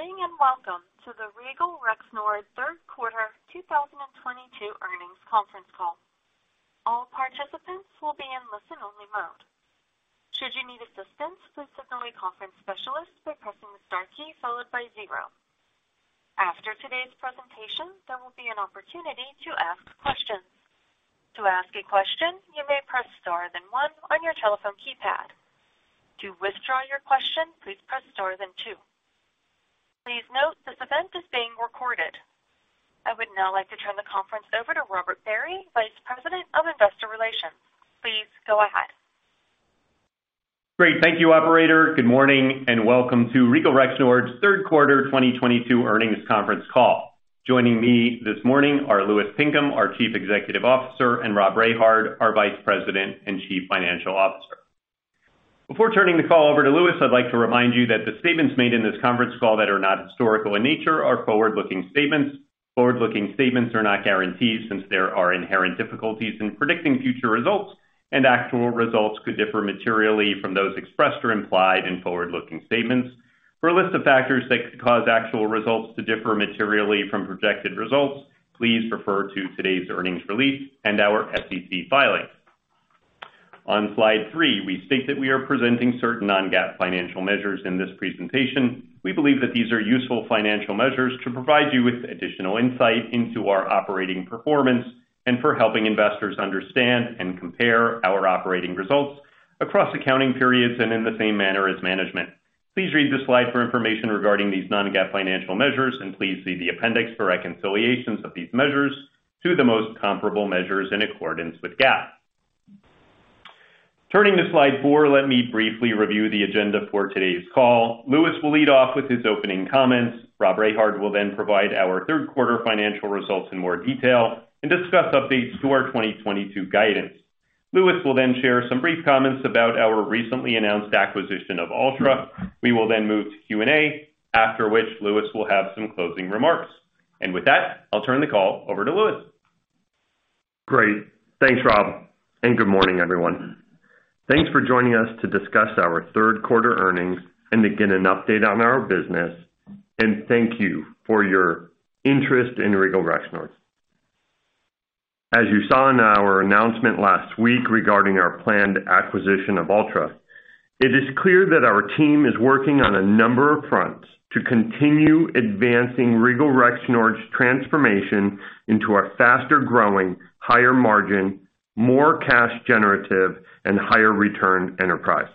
Good morning, and welcome to the Regal Rexnord third quarter 2022 earnings conference call. All participants will be in listen-only mode. Should you need assistance, please signal a conference specialist by pressing the star key followed by zero. After today's presentation, there will be an opportunity to ask questions. To ask a question, you may press star then one on your telephone keypad. To withdraw your question, please press star then two. Please note this event is being recorded. I would now like to turn the conference over to Robert Barry, Vice President of Investor Relations. Please go ahead. Great. Thank you, operator. Good morning, and welcome to Regal Rexnord's third quarter 2022 earnings conference call. Joining me this morning are Louis Pinkham, our Chief Executive Officer, and Rob Rehard, our Vice President and Chief Financial Officer. Before turning the call over to Louis, I'd like to remind you that the statements made in this conference call that are not historical in nature are forward-looking statements. Forward-looking statements are not guarantees, since there are inherent difficulties in predicting future results, and actual results could differ materially from those expressed or implied in forward-looking statements. For a list of factors that could cause actual results to differ materially from projected results, please refer to today's earnings release and our SEC filings. On slide three, we state that we are presenting certain non-GAAP financial measures in this presentation. We believe that these are useful financial measures to provide you with additional insight into our operating performance and for helping investors understand and compare our operating results across accounting periods and in the same manner as management. Please read this slide for information regarding these non-GAAP financial measures, and please see the appendix for reconciliations of these measures to the most comparable measures in accordance with GAAP. Turning to slide four, let me briefly review the agenda for today's call. Louis will lead off with his opening comments. Rob Rehard will then provide our third quarter financial results in more detail and discuss updates to our 2022 guidance. Louis will then share some brief comments about our recently announced acquisition of Altra. We will then move to Q&A, after which Louis will have some closing remarks. With that, I'll turn the call over to Louis. Great. Thanks, Rob, and good morning, everyone. Thanks for joining us to discuss our third quarter earnings and to get an update on our business, and thank you for your interest in Regal Rexnord. As you saw in our announcement last week regarding our planned acquisition of Altra, it is clear that our team is working on a number of fronts to continue advancing Regal Rexnord's transformation into a faster growing, higher margin, more cash generative, and higher return enterprise.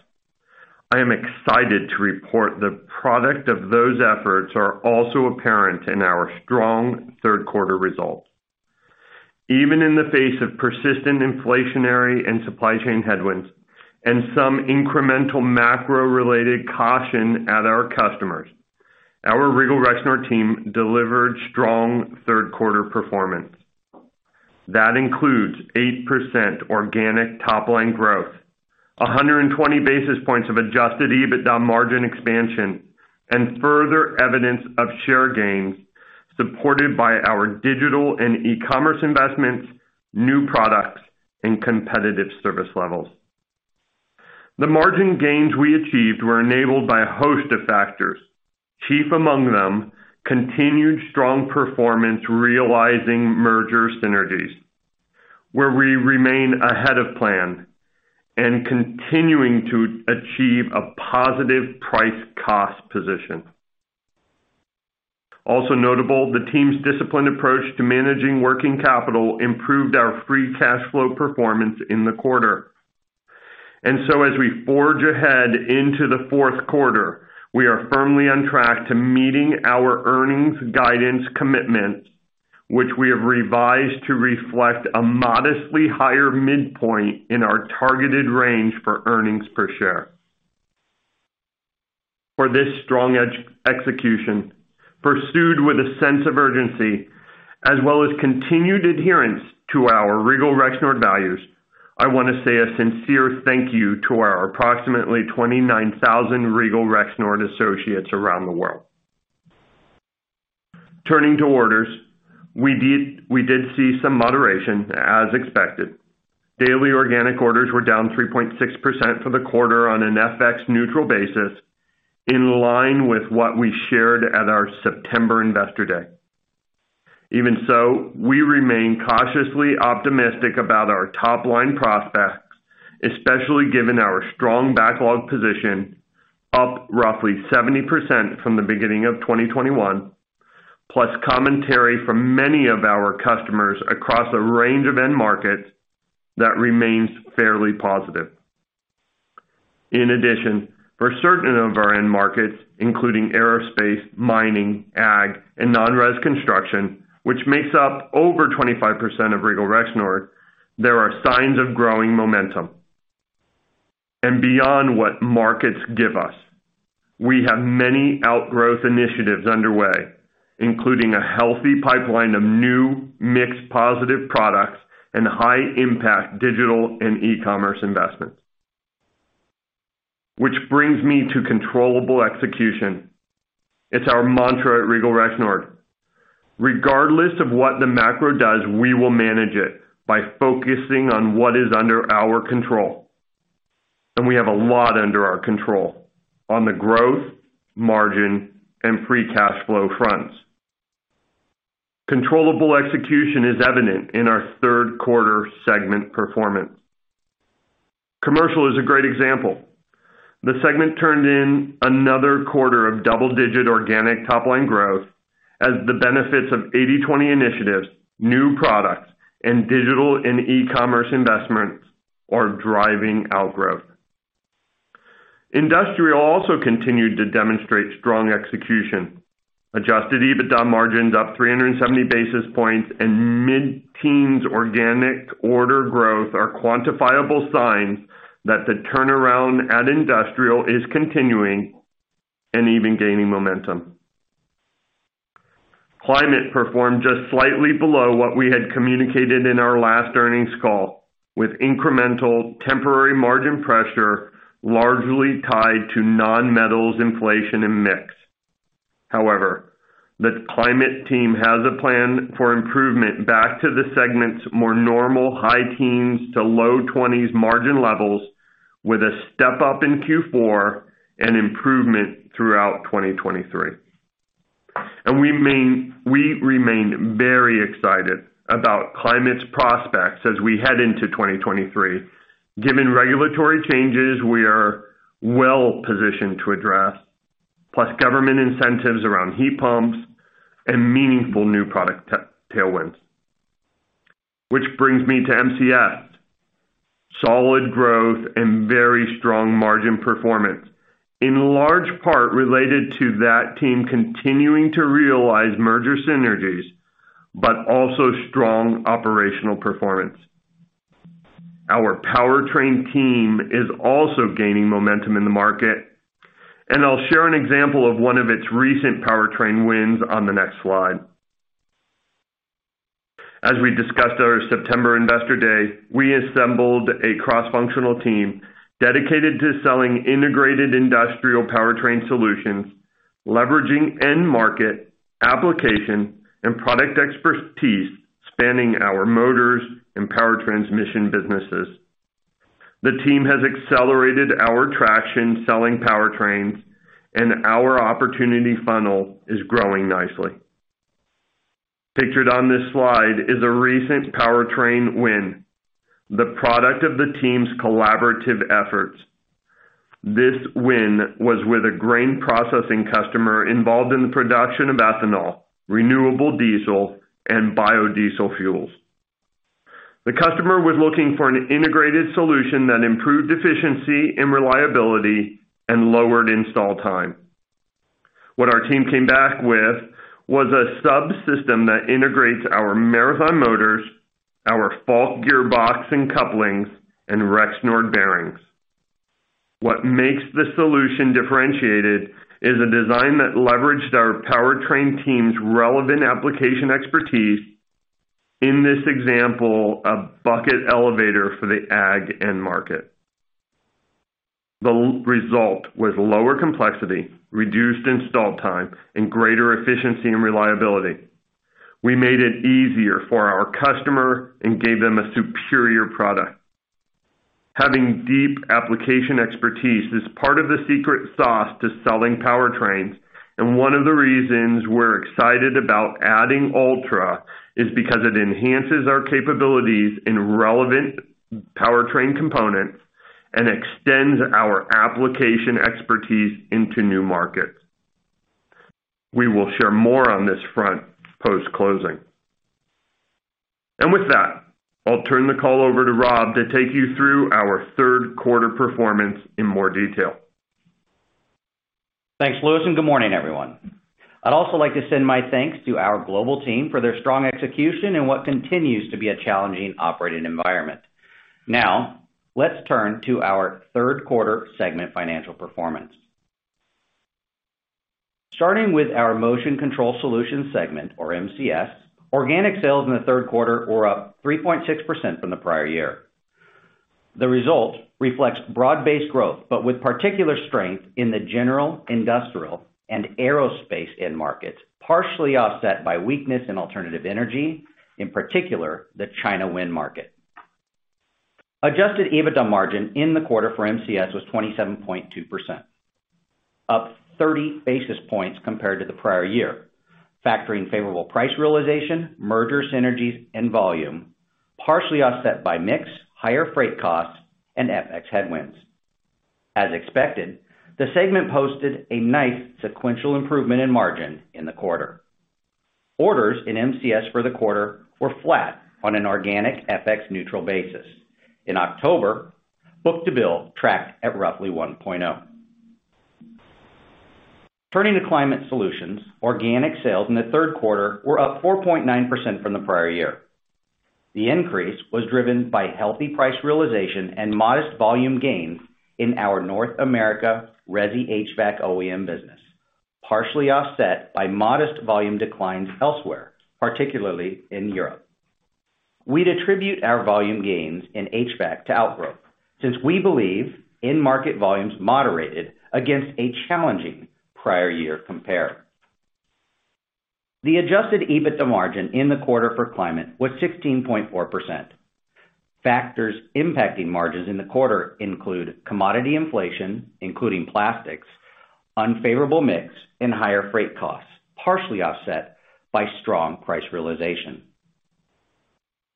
I am excited to report the product of those efforts are also apparent in our strong third quarter results. Even in the face of persistent inflationary and supply chain headwinds and some incremental macro-related caution at our customers, our Regal Rexnord team delivered strong third quarter performance. That includes 8% organic top line growth, 120 basis points of adjusted EBITDA margin expansion, and further evidence of share gains supported by our digital and e-commerce investments, new products, and competitive service levels. The margin gains we achieved were enabled by a host of factors, chief among them, continued strong performance realizing merger synergies, where we remain ahead of plan and continuing to achieve a positive price-cost position. Also notable, the team's disciplined approach to managing working capital improved our free cash flow performance in the quarter. As we forge ahead into the fourth quarter, we are firmly on track to meeting our earnings guidance commitment, which we have revised to reflect a modestly higher midpoint in our targeted range for earnings per share. For this strong edge execution, pursued with a sense of urgency as well as continued adherence to our Regal Rexnord values, I wanna say a sincere thank you to our approximately 29,000 Regal Rexnord associates around the world. Turning to orders, we did see some moderation as expected. Daily organic orders were down 3.6% for the quarter on an FX neutral basis, in line with what we shared at our September investor day. Even so, we remain cautiously optimistic about our top line prospects, especially given our strong backlog position, up roughly 70% from the beginning of 2021, plus commentary from many of our customers across a range of end markets that remains fairly positive. In addition, for certain of our end markets, including aerospace, mining, ag, and non-res construction, which makes up over 25% of Regal Rexnord, there are signs of growing momentum. Beyond what markets give us, we have many outgrowth initiatives underway, including a healthy pipeline of new mixed positive products and high-impact digital and e-commerce investments. Which brings me to controllable execution. It's our mantra at Regal Rexnord. Regardless of what the macro does, we will manage it by focusing on what is under our control. We have a lot under our control on the growth, margin, and free cash flow fronts. Controllable execution is evident in our third quarter segment performance. Commercial is a great example. The segment turned in another quarter of double-digit organic top-line growth as the benefits of 80/20 initiatives, new products, and digital and e-commerce investments are driving our growth. Industrial also continued to demonstrate strong execution. Adjusted EBITDA margins up 370 basis points and mid-teens organic order growth are quantifiable signs that the turnaround at Industrial is continuing and even gaining momentum. Climate performed just slightly below what we had communicated in our last earnings call, with incremental temporary margin pressure largely tied to non-metals inflation and mix. However, the Climate team has a plan for improvement back to the segment's more normal high teens to low 20s margin levels with a step up in Q4 and improvement throughout 2023. We remained very excited about Climate's prospects as we head into 2023. Given regulatory changes we are well-positioned to address, plus government incentives around heat pumps and meaningful new product tailwinds. Which brings me to MCS. Solid growth and very strong margin performance, in large part related to that team continuing to realize merger synergies, but also strong operational performance. Our powertrain team is also gaining momentum in the market, and I'll share an example of one of its recent powertrain wins on the next slide. As we discussed at our September investor day, we assembled a cross-functional team dedicated to selling integrated industrial powertrain solutions, leveraging end market, application, and product expertise spanning our motors and power transmission businesses. The team has accelerated our traction selling powertrains, and our opportunity funnel is growing nicely. Pictured on this slide is a recent powertrain win, the product of the team's collaborative efforts. This win was with a grain processing customer involved in the production of ethanol, renewable diesel, and biodiesel fuels. The customer was looking for an integrated solution that improved efficiency and reliability and lowered install time. What our team came back with was a subsystem that integrates our Marathon motors, our Falk gearbox and couplings, and Rexnord bearings. What makes the solution differentiated is a design that leveraged our powertrain team's relevant application expertise. In this example, a bucket elevator for the ag end market. The result was lower complexity, reduced install time, and greater efficiency and reliability. We made it easier for our customer and gave them a superior product. Having deep application expertise is part of the secret sauce to selling powertrains, and one of the reasons we're excited about adding Altra is because it enhances our capabilities in relevant powertrain components and extends our application expertise into new markets. We will share more on this front post-closing. With that, I'll turn the call over to Rob to take you through our third quarter performance in more detail. Thanks, Louis, and good morning, everyone. I'd also like to send my thanks to our global team for their strong execution in what continues to be a challenging operating environment. Now, let's turn to our third quarter segment financial performance. Starting with our Motion Control Solutions segment, or MCS, organic sales in the third quarter were up 3.6% from the prior year. The result reflects broad-based growth, but with particular strength in the general, industrial, and aerospace end markets, partially offset by weakness in alternative energy, in particular, the China wind market. Adjusted EBITDA margin in the quarter for MCS was 27.2%, up 30 basis points compared to the prior year, factoring favorable price realization, merger synergies, and volume, partially offset by mix, higher freight costs, and FX headwinds. As expected, the segment posted a nice sequential improvement in margin in the quarter. Orders in MCS for the quarter were flat on an organic FX neutral basis. In October, book-to-bill tracked at roughly 1.0. Turning to Climate Solutions, organic sales in the third quarter were up 4.9% from the prior year. The increase was driven by healthy price realization and modest volume gains in our North America resi HVAC OEM business, partially offset by modest volume declines elsewhere, particularly in Europe. We'd attribute our volume gains in HVAC to outgrowth, since we believe end market volumes moderated against a challenging prior year compare. The adjusted EBITDA margin in the quarter for Climate was 16.4%. Factors impacting margins in the quarter include commodity inflation, including plastics, unfavorable mix and higher freight costs, partially offset by strong price realization.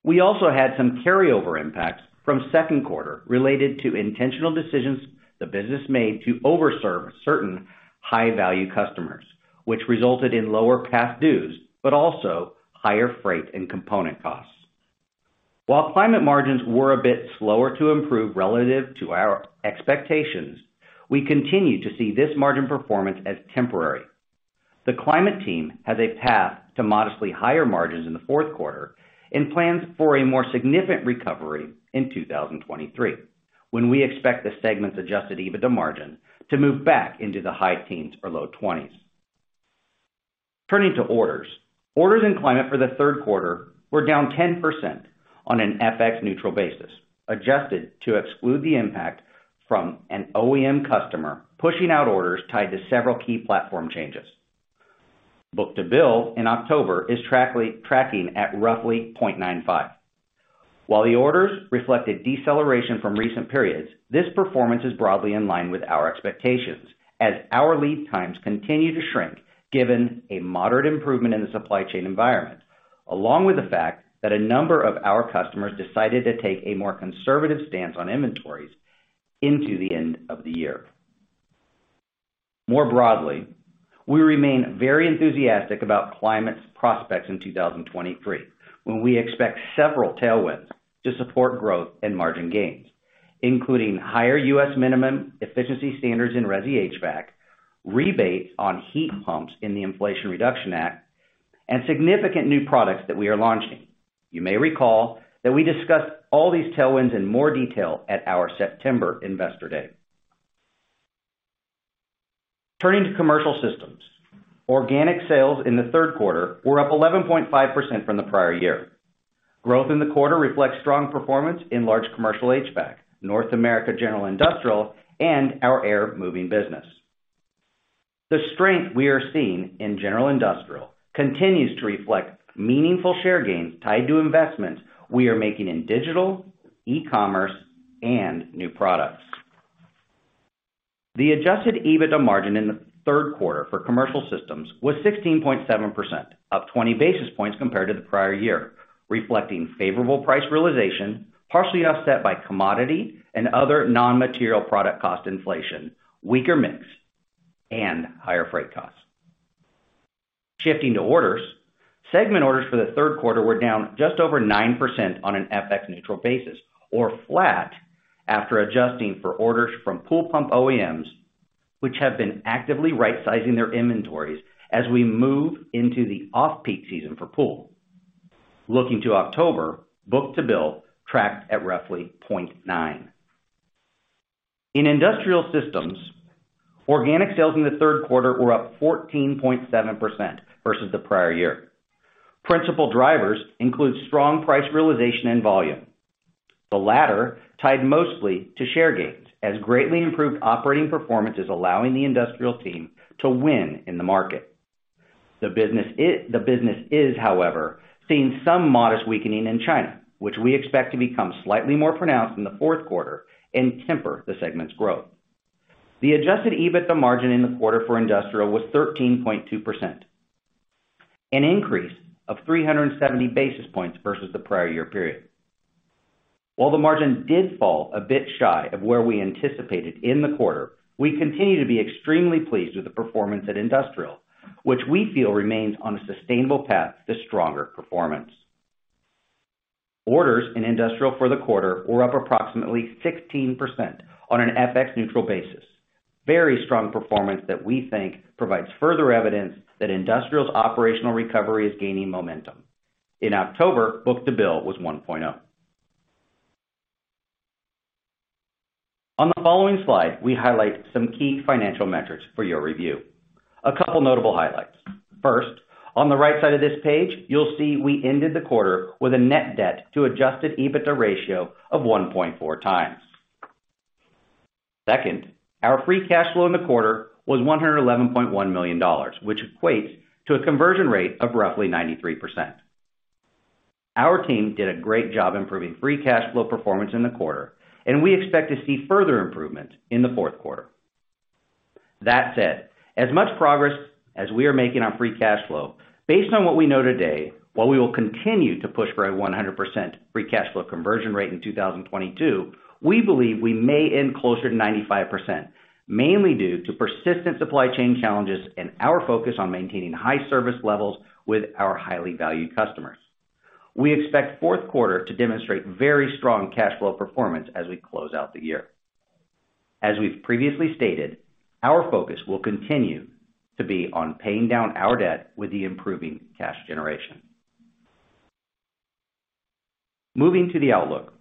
We also had some carryover impacts from second quarter related to intentional decisions the business made to over-serve certain high-value customers, which resulted in lower past dues, but also higher freight and component costs. While climate margins were a bit slower to improve relative to our expectations, we continue to see this margin performance as temporary. The climate team has a path to modestly higher margins in the fourth quarter and plans for a more significant recovery in 2023, when we expect the segment's adjusted EBITDA margin to move back into the high teens or low twenties. Turning to orders. Orders in climate for the third quarter were down 10% on an FX neutral basis, adjusted to exclude the impact from an OEM customer pushing out orders tied to several key platform changes. Book-to-bill in October is tracking at roughly 0.95. While the orders reflected deceleration from recent periods, this performance is broadly in line with our expectations as our lead times continue to shrink given a moderate improvement in the supply chain environment, along with the fact that a number of our customers decided to take a more conservative stance on inventories into the end of the year. More broadly, we remain very enthusiastic about Climate's prospects in 2023, when we expect several tailwinds to support growth and margin gains, including higher U.S. minimum efficiency standards in resi HVAC, rebates on heat pumps in the Inflation Reduction Act, and significant new products that we are launching. You may recall that we discussed all these tailwinds in more detail at our September investor day. Turning to Commercial Systems. Organic sales in the third quarter were up 11.5% from the prior year. Growth in the quarter reflects strong performance in large commercial HVAC, North America general industrial, and our air moving business. The strength we are seeing in general industrial continues to reflect meaningful share gains tied to investments we are making in digital, e-commerce, and new products. The adjusted EBITDA margin in the third quarter for Commercial Systems was 16.7%, up 20 basis points compared to the prior year, reflecting favorable price realization, partially offset by commodity and other non-material product cost inflation, weaker mix, and higher freight costs. Shifting to orders. Segment orders for the third quarter were down just over 9% on an FX neutral basis, or flat after adjusting for orders from pool pump OEMs, which have been actively rightsizing their inventories as we move into the off-peak season for pool. Looking to October, book-to-bill tracked at roughly 0.9. In Industrial Systems, organic sales in the third quarter were up 14.7% versus the prior year. Principal drivers include strong price realization and volume. The latter tied mostly to share gains as greatly improved operating performance is allowing the industrial team to win in the market. The business is, however, seeing some modest weakening in China, which we expect to become slightly more pronounced in the fourth quarter and temper the segment's growth. The adjusted EBITDA margin in the quarter for industrial was 13.2%, an increase of 370 basis points versus the prior year period. While the margin did fall a bit shy of where we anticipated in the quarter, we continue to be extremely pleased with the performance at industrial, which we feel remains on a sustainable path to stronger performance. Orders in industrial for the quarter were up approximately 16% on an FX neutral basis. Very strong performance that we think provides further evidence that industrial's operational recovery is gaining momentum. In October, book-to-bill was 1.0. On the following slide, we highlight some key financial metrics for your review. A couple notable highlights. First, on the right side of this page, you'll see we ended the quarter with a net debt to adjusted EBITDA ratio of 1.4 times. Second, our free cash flow in the quarter was $111.1 million, which equates to a conversion rate of roughly 93%. Our team did a great job improving free cash flow performance in the quarter, and we expect to see further improvement in the fourth quarter. That said, as much progress as we are making on free cash flow, based on what we know today, while we will continue to push for a 100% free cash flow conversion rate in 2022, we believe we may end closer to 95%, mainly due to persistent supply chain challenges and our focus on maintaining high service levels with our highly valued customers. We expect fourth quarter to demonstrate very strong cash flow performance as we close out the year. As we've previously stated, our focus will continue to be on paying down our debt with the improving cash generation. Moving to the outlook.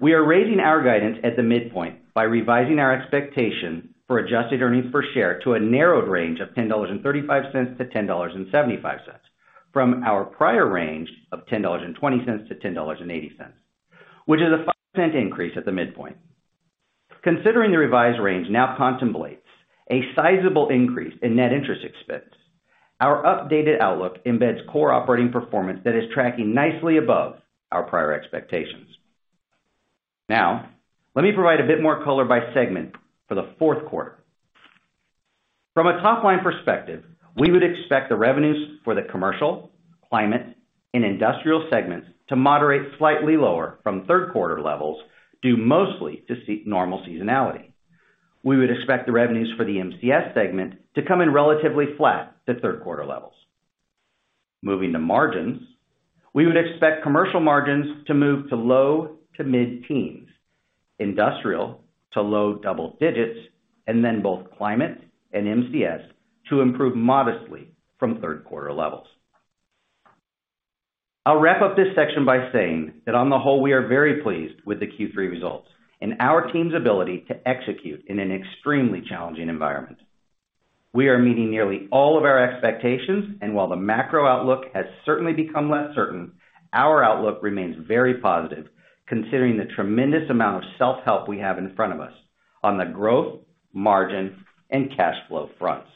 We are raising our guidance at the midpoint by revising our expectation for adjusted earnings per share to a narrowed range of $10.35-$10.75 from our prior range of $10.20-$10.80, which is a 5% increase at the midpoint. Considering the revised range now contemplates a sizable increase in net interest expense, our updated outlook embeds core operating performance that is tracking nicely above our prior expectations. Now, let me provide a bit more color by segment for the fourth quarter. From a top-line perspective, we would expect the revenues for the commercial, climate, and industrial segments to moderate slightly lower from third quarter levels, due mostly to normal seasonality. We would expect the revenues for the MCS segment to come in relatively flat to third quarter levels. Moving to margins, we would expect commercial margins to move to low to mid-teens, industrial to low double digits, and then both climate and MCS to improve modestly from third quarter levels. I'll wrap up this section by saying that on the whole, we are very pleased with the Q3 results and our team's ability to execute in an extremely challenging environment. We are meeting nearly all of our expectations, and while the macro outlook has certainly become less certain, our outlook remains very positive, considering the tremendous amount of self-help we have in front of us on the growth, margin, and cash flow fronts.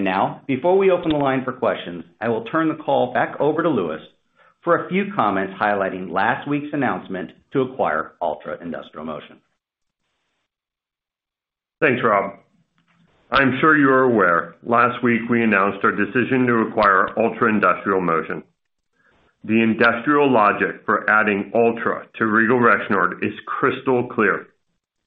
Now, before we open the line for questions, I will turn the call back over to Louis for a few comments highlighting last week's announcement to acquire Altra Industrial Motion. Thanks, Rob. I'm sure you're aware, last week we announced our decision to acquire Altra Industrial Motion. The industrial logic for adding Altra to Regal Rexnord is crystal clear.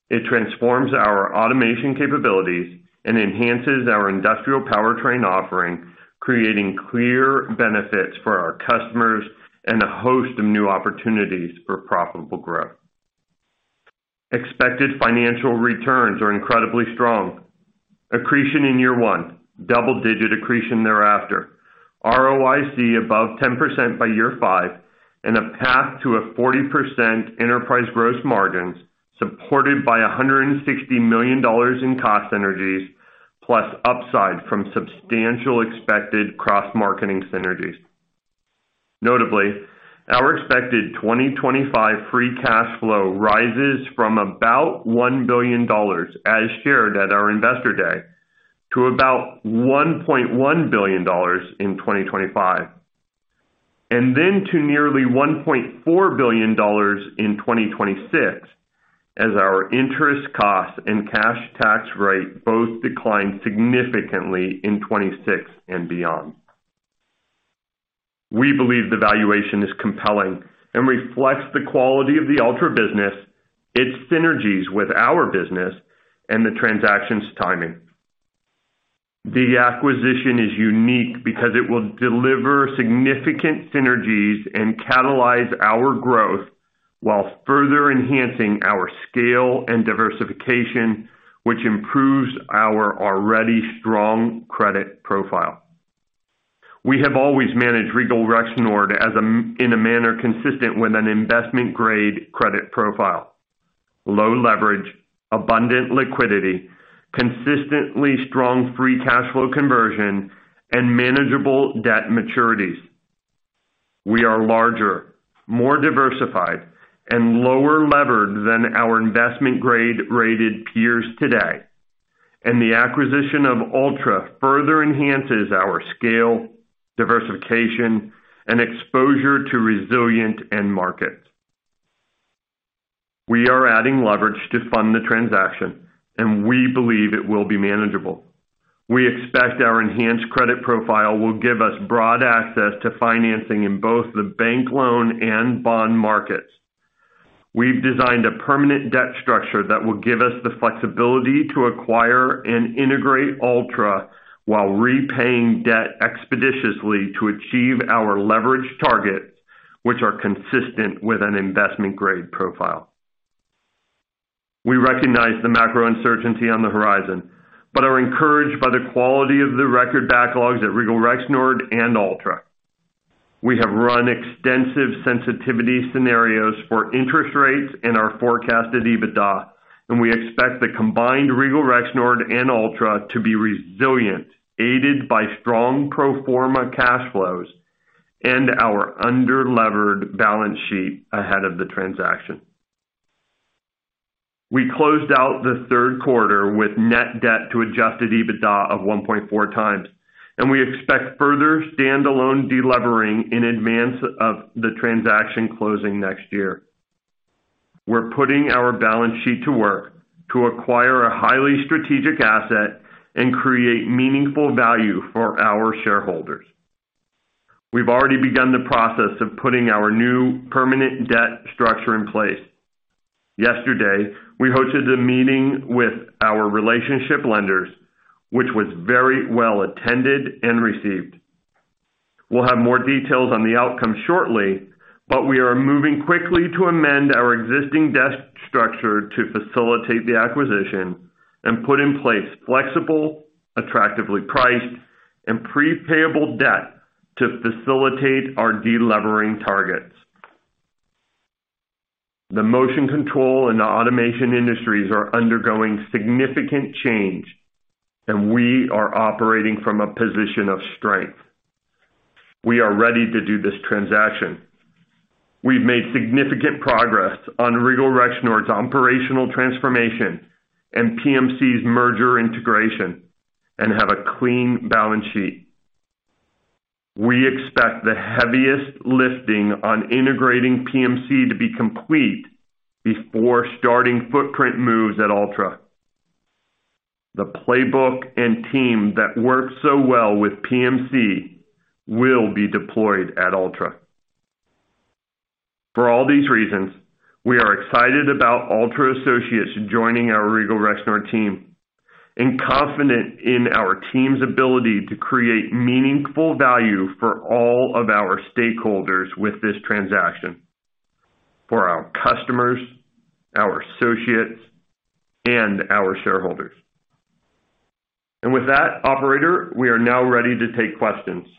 It transforms our automation capabilities and enhances our industrial powertrain offering, creating clear benefits for our customers and a host of new opportunities for profitable growth. Expected financial returns are incredibly strong. Accretion in year one, double-digit accretion thereafter. ROIC above 10% by year five, and a path to a 40% enterprise gross margins, supported by $160 million in cost synergies, plus upside from substantial expected cross-marketing synergies. Notably, our expected 2025 free cash flow rises from about $1 billion, as shared at our Investor Day, to about $1.1 billion in 2025, and then to nearly $1.4 billion in 2026, as our interest costs and cash tax rate both decline significantly in 2026 and beyond. We believe the valuation is compelling and reflects the quality of the Altra business, its synergies with our business, and the transaction's timing. The acquisition is unique because it will deliver significant synergies and catalyze our growth while further enhancing our scale and diversification, which improves our already strong credit profile. We have always managed Regal Rexnord in a manner consistent with an investment-grade credit profile. Low leverage, abundant liquidity, consistently strong free cash flow conversion, and manageable debt maturities. We are larger, more diversified, and lower-levered than our investment-grade-rated peers today, and the acquisition of Altra further enhances our scale, diversification, and exposure to resilient end markets. We are adding leverage to fund the transaction, and we believe it will be manageable. We expect our enhanced credit profile will give us broad access to financing in both the bank loan and bond markets. We've designed a permanent debt structure that will give us the flexibility to acquire and integrate Altra while repaying debt expeditiously to achieve our leverage targets, which are consistent with an investment-grade profile. We recognize the macro uncertainty on the horizon, but are encouraged by the quality of the record backlogs at Regal Rexnord and Altra. We have run extensive sensitivity scenarios for interest rates in our forecasted EBITDA, and we expect the combined Regal Rexnord and Altra to be resilient, aided by strong pro forma cash flows and our underlevered balance sheet ahead of the transaction. We closed out the third quarter with net debt to adjusted EBITDA of 1.4x, and we expect further standalone delevering in advance of the transaction closing next year. We're putting our balance sheet to work to acquire a highly strategic asset and create meaningful value for our shareholders. We've already begun the process of putting our new permanent debt structure in place. Yesterday, we hosted a meeting with our relationship lenders, which was very well attended and received. We'll have more details on the outcome shortly, but we are moving quickly to amend our existing debt structure to facilitate the acquisition and put in place flexible, attractively priced, and pre-payable debt to facilitate our de-levering targets. The motion control and the automation industries are undergoing significant change, and we are operating from a position of strength. We are ready to do this transaction. We've made significant progress on Regal Rexnord's operational transformation and PMC's merger integration and have a clean balance sheet. We expect the heaviest lifting on integrating PMC to be complete before starting footprint moves at Altra. The playbook and team that worked so well with PMC will be deployed at Altra. For all these reasons, we are excited about Altra associates joining our Regal Rexnord team and confident in our team's ability to create meaningful value for all of our stakeholders with this transaction, for our customers, our associates, and our shareholders. With that operator, we are now ready to take questions.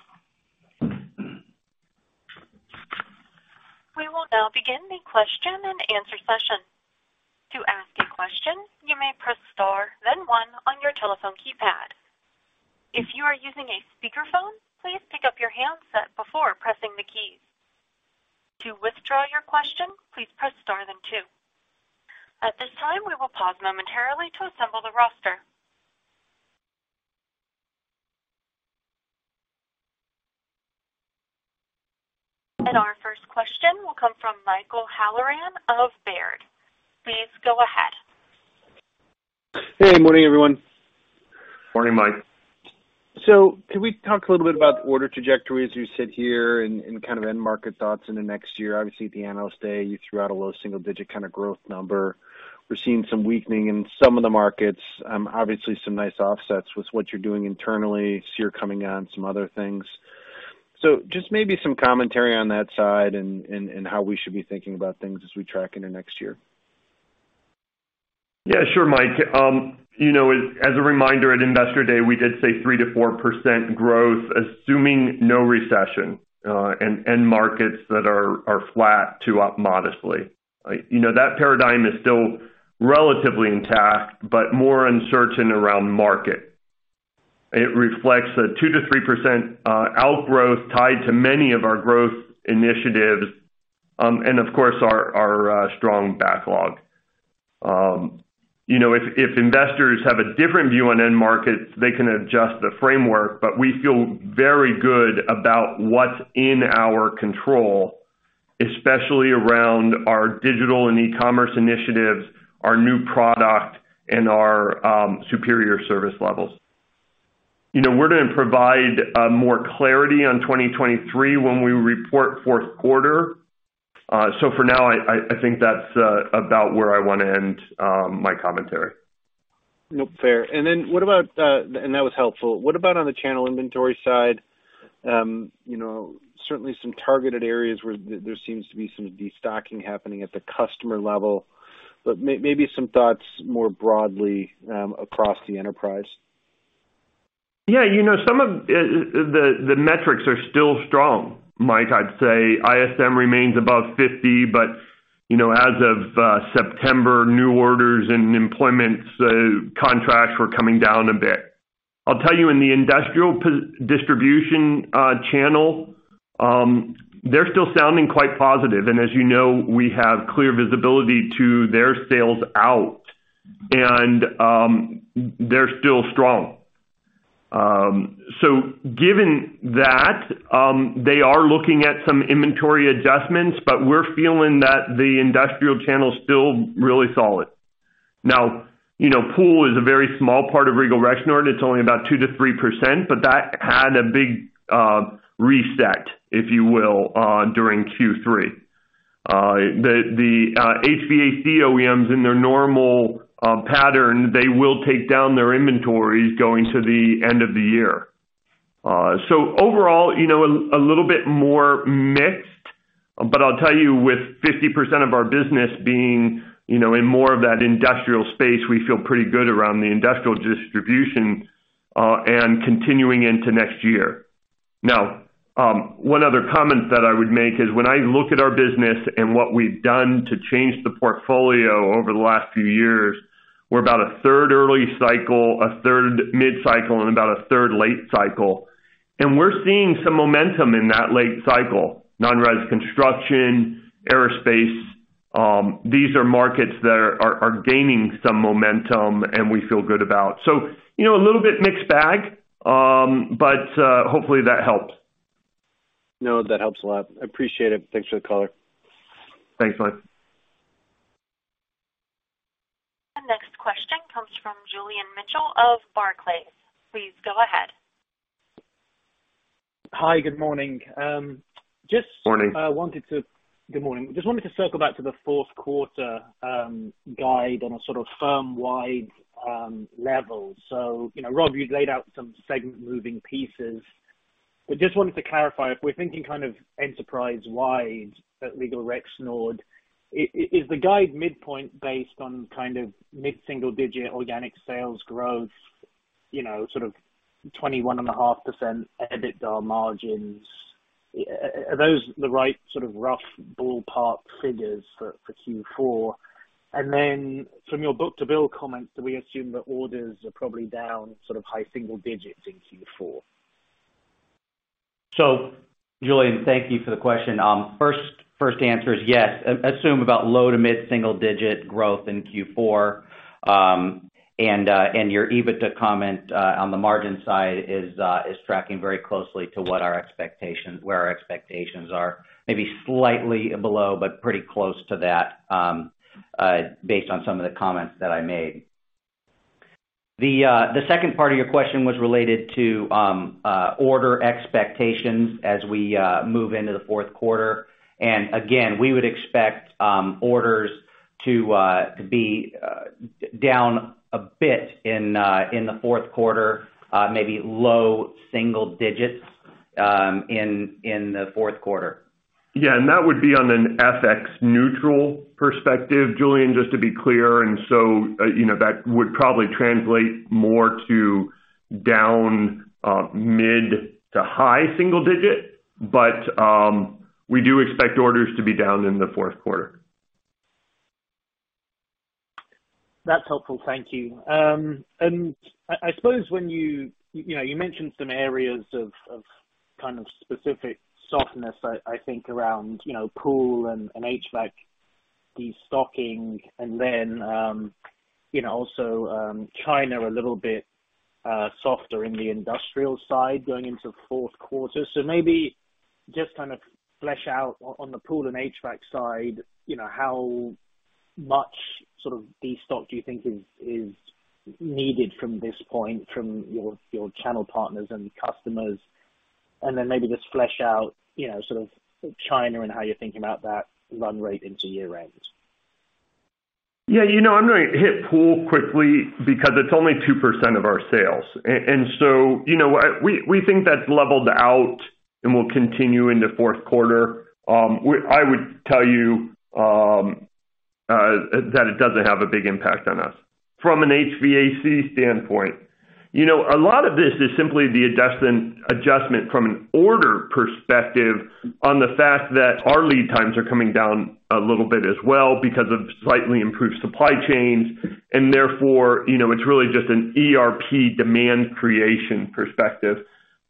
We will now begin the question-and-answer session. To ask a question, you may press star then one on your telephone keypad. If you are using a speakerphone, please pick up your handset before pressing the keys. To withdraw your question, please press star then two. At this time, we will pause momentarily to assemble the roster. Our first question will come from Michael Halloran of Baird. Please go ahead. Hey, good morning, everyone. Morning, Mike. Can we talk a little bit about the order trajectory as you sit here and kind of end market thoughts in the next year? Obviously, at the Analyst Day, you threw out a low single digit kind of growth number. We're seeing some weakening in some of the markets, obviously some nice offsets with what you're doing internally, SEER coming on some other things. Just maybe some commentary on that side and how we should be thinking about things as we track into next year. Yeah, sure, Mike. You know, as a reminder, at Investor Day, we did say 3%-4% growth, assuming no recession, and end markets that are flat to up modestly. You know, that paradigm is still relatively intact, but more uncertain around market. It reflects a 2%-3% outgrowth tied to many of our growth initiatives, and of course, our strong backlog. You know, if investors have a different view on end markets, they can adjust the framework, but we feel very good about what's in our control, especially around our digital and e-commerce initiatives, our new product, and our superior service levels. You know, we're gonna provide more clarity on 2023 when we report fourth quarter. For now, I think that's about where I wanna end my commentary. No, fair. That was helpful. What about on the channel inventory side? You know, certainly some targeted areas where there seems to be some destocking happening at the customer level, but maybe some thoughts more broadly across the enterprise. Yeah. You know, some of the metrics are still strong, Mike, I'd say. ISM remains above 50, but you know, as of September, new orders and employment contracts were coming down a bit. I'll tell you, in the industrial distribution channel, they're still sounding quite positive. As you know, we have clear visibility to their sales out, and they're still strong. Given that, they are looking at some inventory adjustments, but we're feeling that the industrial channel is still really solid. Now, you know, pool is a very small part of Regal Rexnord. It's only about 2%-3%, but that had a big reset, if you will, during Q3. The HVAC OEMs in their normal pattern, they will take down their inventories going to the end of the year. Overall, you know, a little bit more mixed. I'll tell you, with 50% of our business being, you know, in more of that industrial space, we feel pretty good around the industrial distribution and continuing into next year. Now, one other comment that I would make is when I look at our business and what we've done to change the portfolio over the last few years, we're about a third early cycle, a third mid-cycle, and about a third late cycle. We're seeing some momentum in that late cycle. Non-res construction, aerospace, these are markets that are gaining some momentum, and we feel good about. You know, a little bit mixed bag, but hopefully that helps. No, that helps a lot. I appreciate it. Thanks for the color. Thanks, Mike. The next question comes from Julian Mitchell of Barclays. Please go ahead. Hi. Good morning. Morning. Good morning. Just wanted to circle back to the fourth quarter guide on a sort of firm-wide level. You know, Rob, you'd laid out some segment moving pieces, but just wanted to clarify if we're thinking kind of enterprise-wide at Regal Rexnord, is the guide midpoint based on kind of mid-single-digit organic sales growth, you know, sort of 21.5% EBITDA margins? Are those the right sort of rough ballpark figures for Q4? From your book-to-bill comments, do we assume that orders are probably down sort of high single digits in Q4? Julian, thank you for the question. First answer is yes. Assume about low to mid single digit growth in Q4. Your EBITDA comment on the margin side is tracking very closely to what our expectations are. Maybe slightly below, but pretty close to that, based on some of the comments that I made. The second part of your question was related to order expectations as we move into the fourth quarter. Again, we would expect orders to be down a bit in the fourth quarter, maybe low single digits in the fourth quarter. Yeah. That would be on an FX neutral perspective, Julian, just to be clear. That would probably translate more to down mid- to high-single-digit. We do expect orders to be down in the fourth quarter. That's helpful. Thank you. I suppose you know you mentioned some areas of kind of specific softness. I think around you know pool and HVAC destocking and then you know also China a little bit softer in the industrial side going into fourth quarter. Maybe just kind of flesh out on the pool and HVAC side you know how much sort of destock do you think is needed from this point from your channel partners and customers? Then maybe just flesh out you know sort of China and how you're thinking about that run rate into year end. Yeah. You know, I'm gonna hit pool quickly because it's only 2% of our sales. You know, we think that's leveled out and will continue into fourth quarter. I would tell you that it doesn't have a big impact on us. From an HVAC standpoint, you know, a lot of this is simply the adjustment from an order perspective on the fact that our lead times are coming down a little bit as well because of slightly improved supply chains. Therefore, you know, it's really just an ERP demand creation perspective.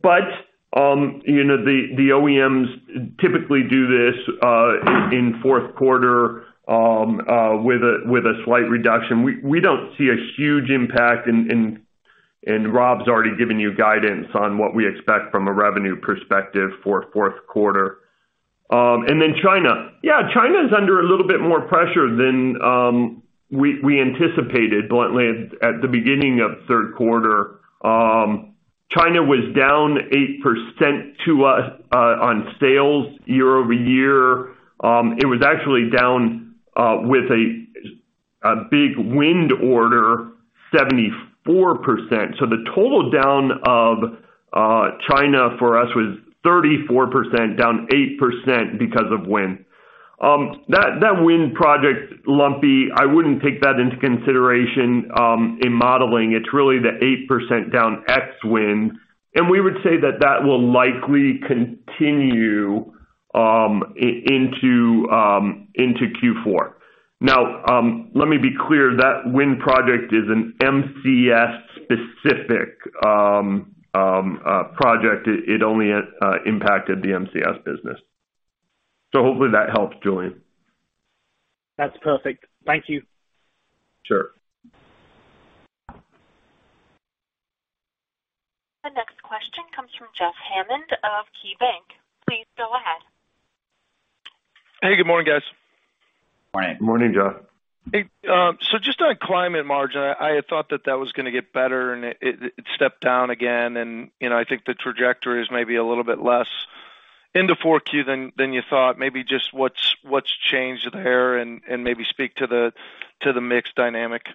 You know, the OEMs typically do this in fourth quarter with a slight reduction. We don't see a huge impact and Rob's already given you guidance on what we expect from a revenue perspective for fourth quarter. China. Yeah, China's under a little bit more pressure than we anticipated bluntly at the beginning of third quarter. China was down 8% to us on sales year-over-year. It was actually down with a big wind order, 74%. The total down of China for us was 34%, down 8% because of wind. That wind project lumpy, I wouldn't take that into consideration in modeling. It's really the 8% down ex wind, and we would say that will likely continue into Q4. Now, let me be clear. That wind project is an MCS specific project. It only impacted the MCS business. Hopefully that helps, Julian. That's perfect. Thank you. Sure. The next question comes from Jeff Hammond of KeyBank. Please go ahead. Hey, good morning, guys. Morning. Morning, Jeff. Hey, just on climate margin, I had thought that was gonna get better and it stepped down again. You know, I think the trajectory is maybe a little bit less into 4Q than you thought. Maybe just what's changed there and maybe speak to the mix dynamic.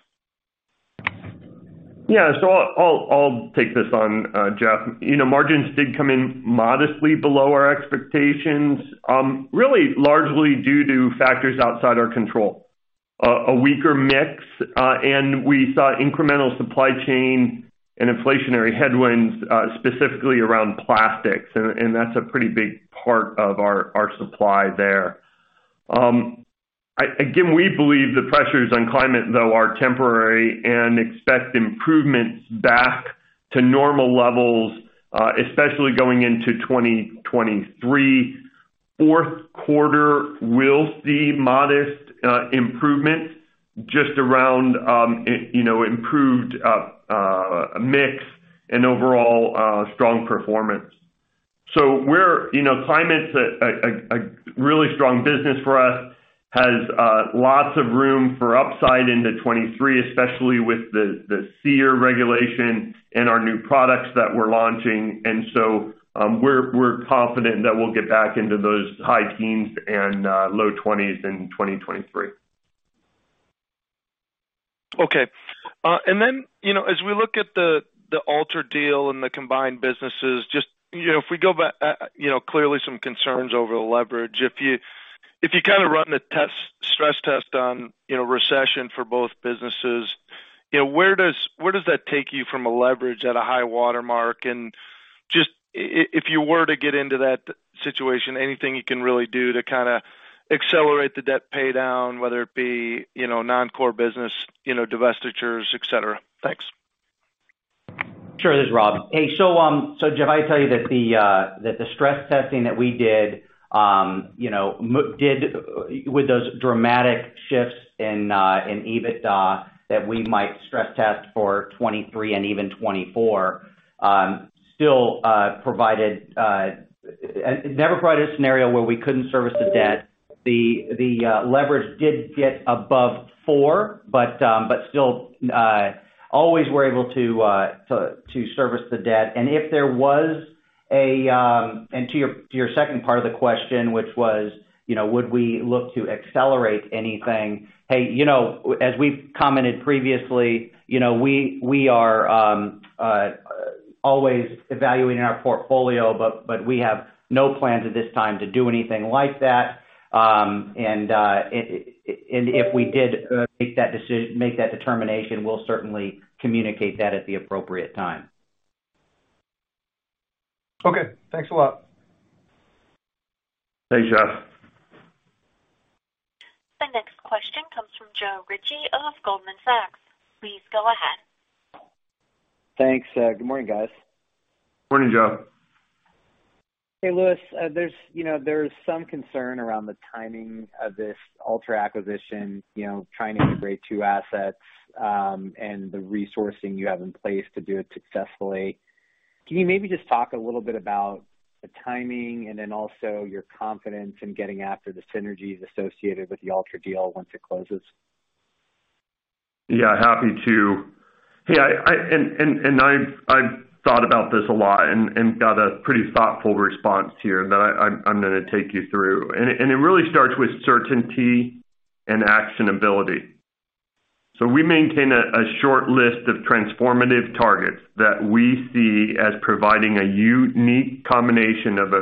Yeah. I'll take this on, Jeff. You know, margins did come in modestly below our expectations, really largely due to factors outside our control. A weaker mix, and we saw incremental supply chain and inflationary headwinds, specifically around plastics, and that's a pretty big part of our supply there. Again, we believe the pressures on Climate though are temporary and expect improvements back to normal levels, especially going into 2023. Fourth quarter will see modest improvements just around, you know, improved mix and overall strong performance. We're, you know, Climate's a really strong business for us, has lots of room for upside into 2023, especially with the SEER regulation and our new products that we're launching. We're confident that we'll get back into those high teens and low twenties in 2023. Okay. You know, as we look at the Altra deal and the combined businesses, just, you know, if we go back, you know, clearly some concerns over the leverage. If you kind of run the stress test on, you know, recession for both businesses. Yeah, where does that take you from a leverage at a high watermark? Just if you were to get into that situation, anything you can really do to kinda accelerate the debt pay down, whether it be, you know, non-core business, you know, divestitures, et cetera? Thanks. Sure. This is Rob. Hey, so Jeff, I tell you that the stress testing that we did, you know, did with those dramatic shifts in EBITDA that we might stress test for 2023 and even 2024, still it never provided a scenario where we couldn't service the debt. The leverage did get above four, but still always were able to service the debt. To your second part of the question, which was, you know, would we look to accelerate anything? Hey, you know, as we've commented previously, you know, we are always evaluating our portfolio, but we have no plans at this time to do anything like that. If we did make that determination, we'll certainly communicate that at the appropriate time. Okay, thanks a lot. Thanks, Jeff. The next question comes from Joe Ritchie of Goldman Sachs. Please go ahead. Thanks. Good morning, guys. Morning, Joe. Hey, Louis, there's, you know, there's some concern around the timing of this Altra acquisition, you know, trying to integrate two assets, and the resourcing you have in place to do it successfully. Can you maybe just talk a little bit about the timing and then also your confidence in getting after the synergies associated with the Altra deal once it closes? Yeah, happy to. Hey, I thought about this a lot and got a pretty thoughtful response here that I'm gonna take you through. It really starts with certainty and actionability. We maintain a short list of transformative targets that we see as providing a unique combination of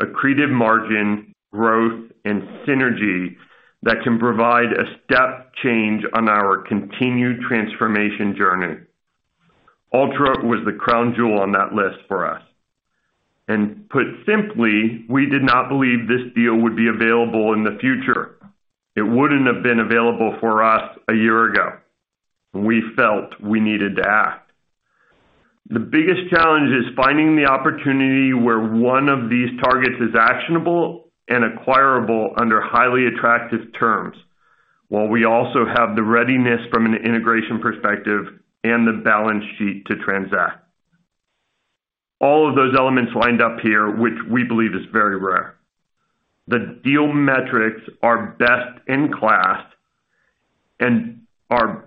accretive margin growth and synergy that can provide a step change on our continued transformation journey. Altra was the crown jewel on that list for us. Put simply, we did not believe this deal would be available in the future. It wouldn't have been available for us a year ago. We felt we needed to act. The biggest challenge is finding the opportunity where one of these targets is actionable and acquirable under highly attractive terms, while we also have the readiness from an integration perspective and the balance sheet to transact. All of those elements lined up here, which we believe is very rare. The deal metrics are best in class and are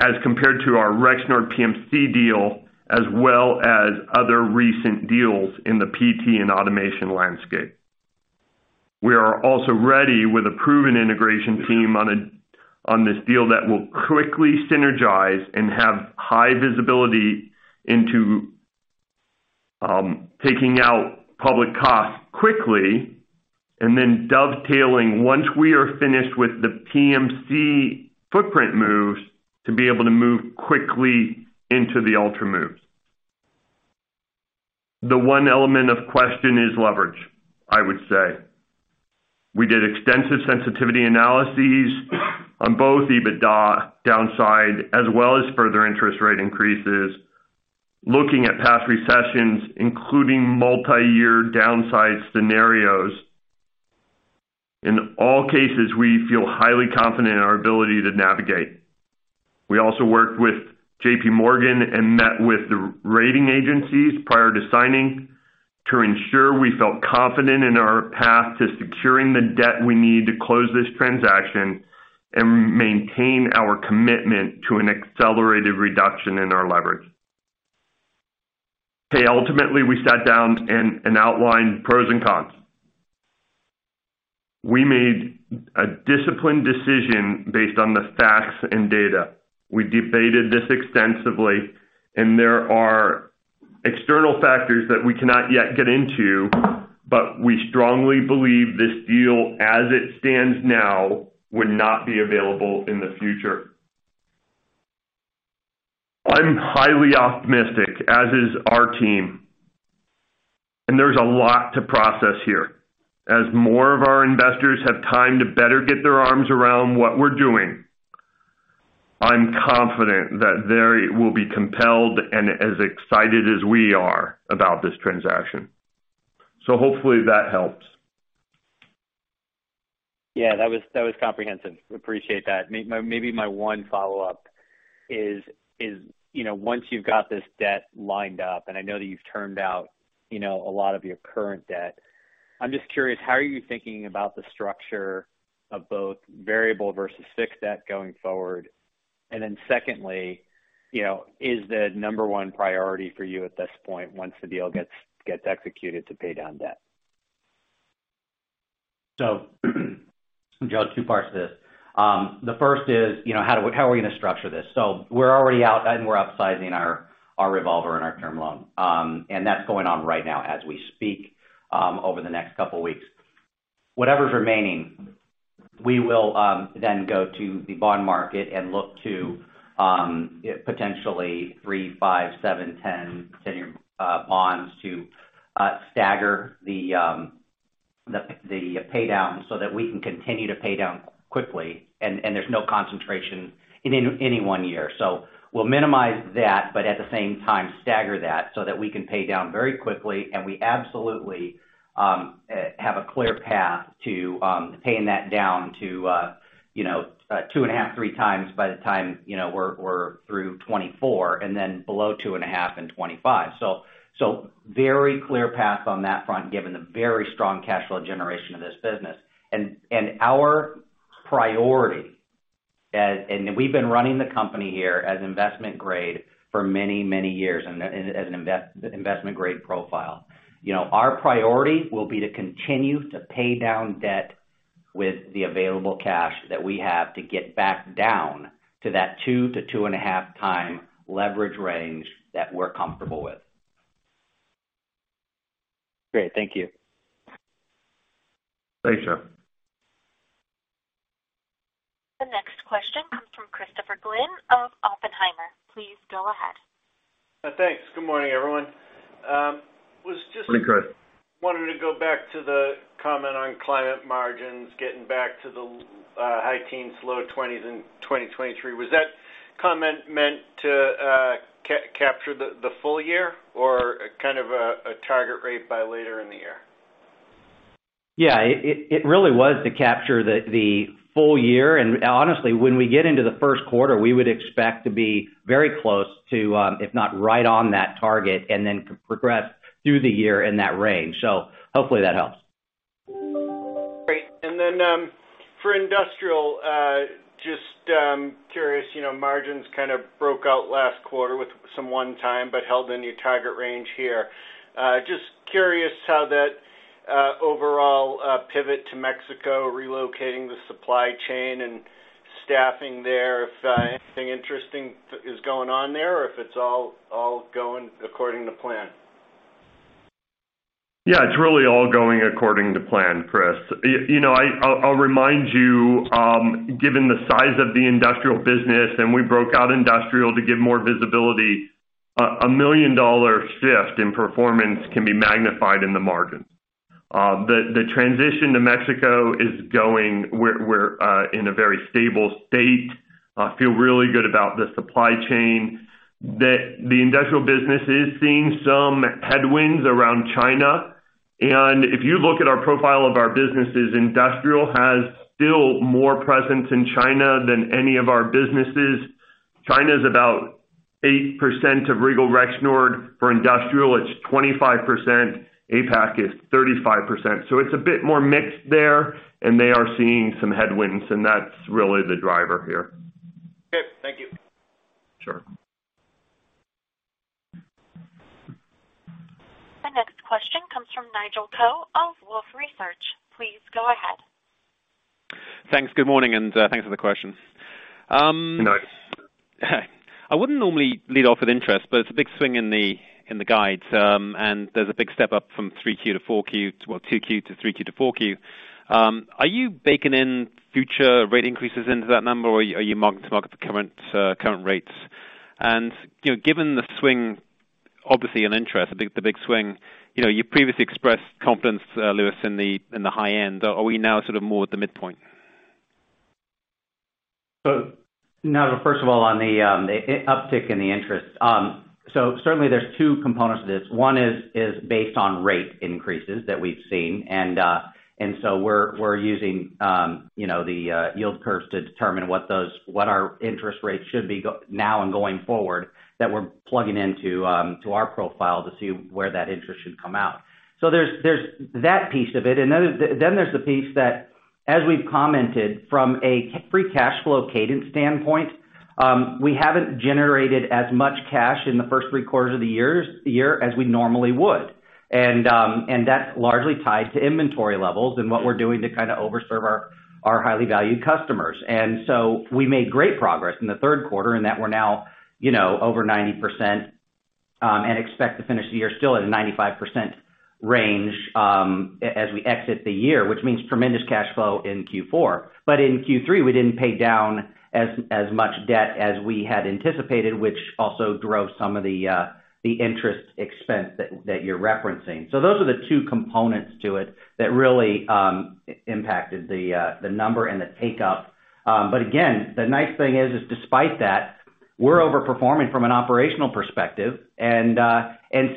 as compared to our Rexnord PMC deal as well as other recent deals in the PT and automation landscape. We are also ready with a proven integration team on this deal that will quickly synergize and have high visibility into taking out public costs quickly and then dovetailing once we are finished with the PMC footprint moves to be able to move quickly into the Altra moves. The one element of question is leverage, I would say. We did extensive sensitivity analyses on both EBITDA downside as well as further interest rate increases, looking at past recessions, including multi-year downside scenarios. In all cases, we feel highly confident in our ability to navigate. We also worked with JPMorgan and met with the rating agencies prior to signing to ensure we felt confident in our path to securing the debt we need to close this transaction and maintain our commitment to an accelerated reduction in our leverage. Hey, ultimately, we sat down and outlined pros and cons. We made a disciplined decision based on the facts and data. We debated this extensively, and there are external factors that we cannot yet get into, but we strongly believe this deal as it stands now, would not be available in the future. I'm highly optimistic, as is our team, and there's a lot to process here. As more of our investors have time to better get their arms around what we're doing, I'm confident that they will be compelled and as excited as we are about this transaction. Hopefully that helps. Yeah, that was comprehensive. Appreciate that. Maybe my one follow-up is, you know, once you've got this debt lined up, and I know that you've termed out, you know, a lot of your current debt, I'm just curious, how are you thinking about the structure of both variable versus fixed debt going forward? And then secondly, you know, is the number one priority for you at this point, once the deal gets executed to pay down debt? Joe, two parts to this. The first is, how are we gonna structure this? We're already out and we're upsizing our revolver and our term loan. That's going on right now as we speak, over the next couple of weeks. Whatever's remaining, we will then go to the bond market and look to potentially three, five, seven, 10-year bonds to stagger the pay down so that we can continue to pay down quickly, and there's no concentration in any one year. We'll minimize that, but at the same time stagger that so that we can pay down very quickly. We absolutely have a clear path to paying that down to, you know, 2.5x to 3x by the time, you know, we're through 2024, and then below 2.5x in 2025. Very clear path on that front, given the very strong cash flow generation of this business. Our priority and we've been running the company here as investment grade for many, many years and as an investment grade profile. You know, our priority will be to continue to pay down debt with the available cash that we have to get back down to that 2x to 2.5x leverage range that we're comfortable with. Great. Thank you. Thanks, Joe Ritchie. The next question comes from Christopher Glynn of Oppenheimer. Please go ahead. Thanks. Good morning, everyone. Good morning, Chris. Wanting to go back to the comment on Climate margins getting back to the high teens, low twenties in 2023. Was that comment meant to capture the full year or kind of a target rate by later in the year? Yeah. It really was to capture the full year. Honestly, when we get into the first quarter, we would expect to be very close to, if not right on that target, and then progress through the year in that range. Hopefully that helps. Great. For industrial, just curious, you know, margins kind of broke out last quarter with some one time, but held in your target range here. Just curious how that overall pivot to Mexico, relocating the supply chain and staffing there, if anything interesting is going on there or if it's all going according to plan. Yeah, it's really all going according to plan, Chris. You know, I'll remind you, given the size of the industrial business, and we broke out industrial to give more visibility, a million-dollar shift in performance can be magnified in the margin. The transition to Mexico is going. We're in a very stable state. Feel really good about the supply chain. The industrial business is seeing some headwinds around China. If you look at our profile of our businesses, industrial has still more presence in China than any of our businesses. China's about 8% of Regal Rexnord. For industrial, it's 25%. APAC is 35%. It's a bit more mixed there, and they are seeing some headwinds, and that's really the driver here. Okay. Thank you. Sure. The next question comes from Nigel Coe of Wolfe Research. Please go ahead. Thanks. Good morning, and thanks for the questions. Hi, Nigel. I wouldn't normally lead off with interest, but it's a big swing in the guides, and there's a big step up from 3Q to 4Q. Well, 2Q to 3Q to 4Q. Are you baking in future rate increases into that number, or are you marking to market the current rates? You know, given the swing, obviously, in interest, the big swing, you know, you previously expressed confidence, Louis, in the high end. Are we now sort of more at the midpoint? Nigel, first of all, on the uptick in the interest. Certainly there's two components to this. One is based on rate increases that we've seen, and so we're using you know the yield curves to determine what our interest rates should be now and going forward that we're plugging into our profile to see where that interest should come out. There's that piece of it. Then there's the piece that as we've commented from a free cash flow cadence standpoint we haven't generated as much cash in the first three quarters of the year as we normally would. That's largely tied to inventory levels and what we're doing to kinda overserve our highly valued customers. We made great progress in the third quarter in that we're now over 90%, and expect to finish the year still at a 95% range as we exit the year, which means tremendous cash flow in Q4. In Q3, we didn't pay down as much debt as we had anticipated, which also drove some of the interest expense that you're referencing. Those are the two components to it that really impacted the number and the take-up. Again, the nice thing is despite that, we're overperforming from an operational perspective and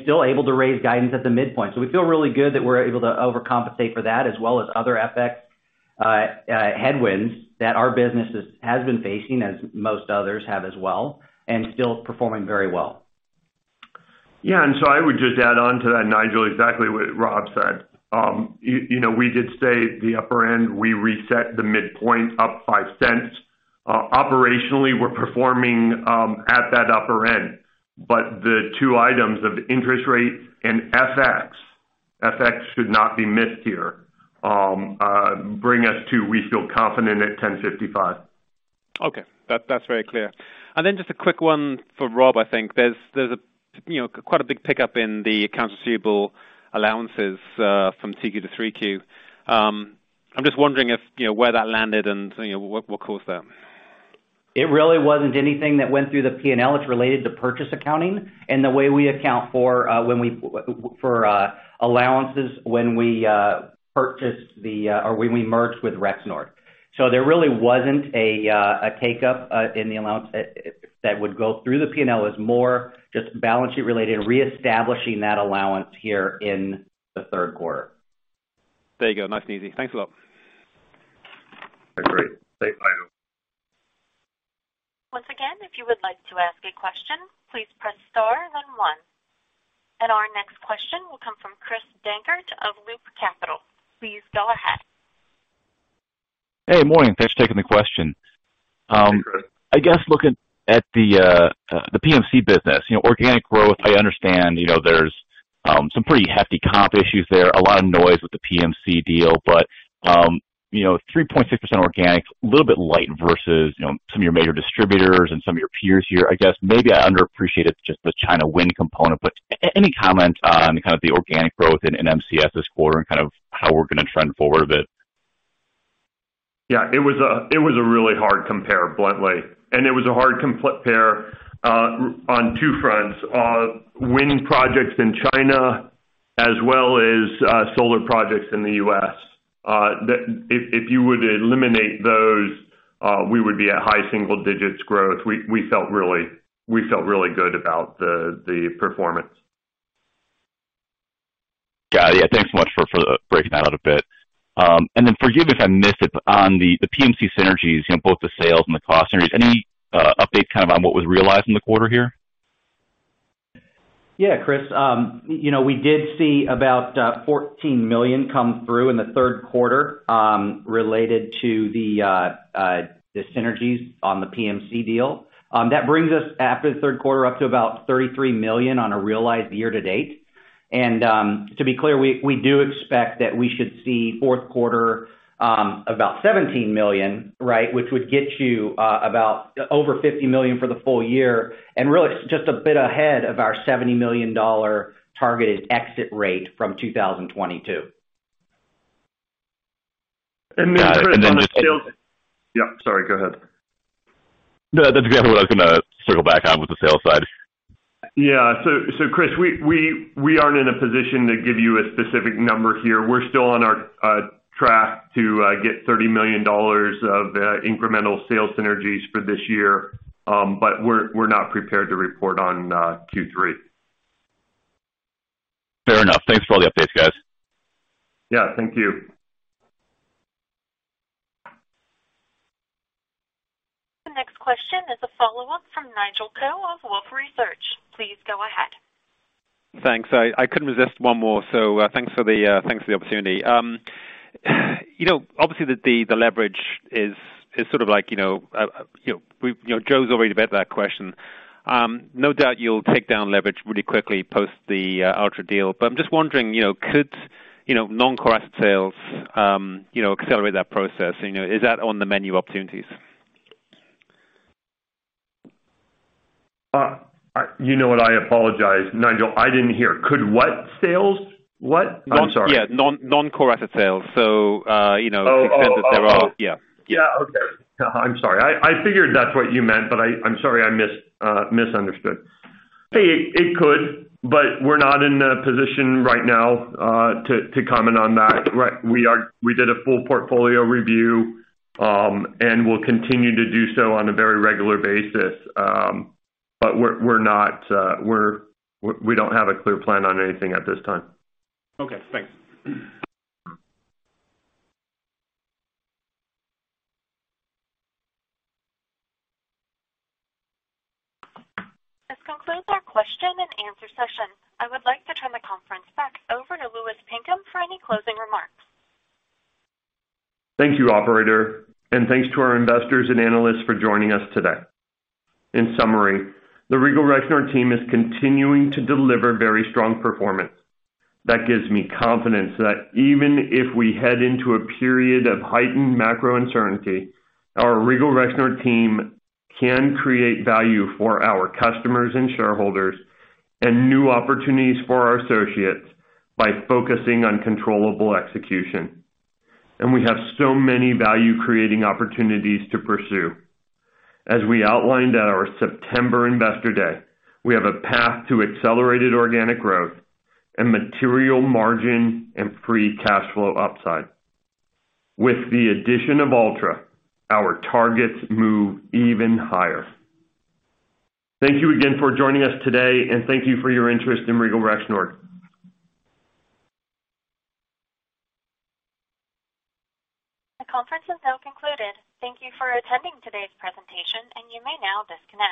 still able to raise guidance at the midpoint. We feel really good that we're able to overcompensate for that as well as other FX headwinds that our business has been facing, as most others have as well, and still performing very well. Yeah. I would just add on to that, Nigel, exactly what Rob said. You know, we did say the upper end, we reset the midpoint up $0.05. Operationally, we're performing at that upper end. The two items of interest rate and FX should not be missed here, bring us to we feel confident at $10.55. Okay. That's very clear. Then just a quick one for Rob, I think. There's quite a big pickup in the accounts receivable allowances from 2Q to 3Q. I'm just wondering where that landed and what caused that? It really wasn't anything that went through the P&L. It's related to purchase accounting and the way we account for allowances when we purchased or when we merged with Rexnord. There really wasn't a take-up in the allowance that would go through the P&L. It's more just balance sheet related and reestablishing that allowance here in the third quarter. There you go. Nice and easy. Thanks a lot. Agreed. Thanks, Nigel. Once again, if you would like to ask a question, please press star then one. Our next question will come from Chris Dankert of Loop Capital Markets. Please go ahead. Hey, morning. Thanks for taking the question. Hey, Chris. I guess looking at the PMC business, you know, organic growth, I understand, you know, there's some pretty hefty comp issues there, a lot of noise with the PMC deal. You know, 3.6% organic, little bit light versus, you know, some of your major distributors and some of your peers here. I guess maybe I underappreciate it, just the China wind component. Any comment on kind of the organic growth in MCS this quarter and kind of how we're gonna trend forward a bit? Yeah, it was a really hard compare bluntly, and it was a hard compare on two fronts. Wind projects in China as well as solar projects in the U.S. That if you were to eliminate those, we would be at high single digits growth. We felt really good about the performance. Got it. Yeah, thanks so much for breaking that out a bit. Forgive me if I missed it, but on the PMC synergies, you know, both the sales and the cost synergies, any update kind of on what was realized in the quarter here? Yeah, Chris. You know, we did see about $14 million come through in the third quarter, related to the synergies on the PMC deal. That brings us after the third quarter up to about $33 million on a realized year to date. To be clear, we do expect that we should see fourth quarter about $17 million, right? Which would get you about over $50 million for the full year, and really just a bit ahead of our $70 million targeted exit rate from 2022. Chris, on the sales- Got it. Yeah, sorry, go ahead. No, that's exactly what I was gonna circle back on with the sales side. Yeah. Chris, we aren't in a position to give you a specific number here. We're still on our track to get $30 million of incremental sales synergies for this year. We're not prepared to report on Q3. Fair enough. Thanks for all the updates, guys. Yeah, thank you. The next question is a follow-up from Nigel Coe of Wolfe Research. Please go ahead. Thanks. I couldn't resist one more, so thanks for the opportunity. You know, obviously the leverage is sort of like, you know, Joe's already met that question. No doubt you'll take down leverage really quickly post the Altra deal. But I'm just wondering, you know, could non-core asset sales, you know, accelerate that process? You know, is that on the menu of opportunities? You know what? I apologize, Nigel. I didn't hear. Could what sales? What? I'm sorry. Yeah, non-core asset sales. You know, Oh. the extent that there are. Yeah. Yeah. Okay. I'm sorry. I figured that's what you meant, but I'm sorry I misunderstood. Hey, it could, but we're not in a position right now to comment on that. We did a full portfolio review, and we'll continue to do so on a very regular basis. We're not. We don't have a clear plan on anything at this time. Okay, thanks. This concludes our question and answer session. I would like to turn the conference back over to Louis Pinkham for any closing remarks. Thank you, operator, and thanks to our investors and analysts for joining us today. In summary, the Regal Rexnord team is continuing to deliver very strong performance. That gives me confidence that even if we head into a period of heightened macro uncertainty, our Regal Rexnord team can create value for our customers and shareholders and new opportunities for our associates by focusing on controllable execution. We have so many value-creating opportunities to pursue. As we outlined at our September Investor Day, we have a path to accelerated organic growth and material margin and free cash flow upside. With the addition of Altra, our targets move even higher. Thank you again for joining us today, and thank you for your interest in Regal Rexnord. The conference is now concluded. Thank you for attending today's presentation, and you may now disconnect.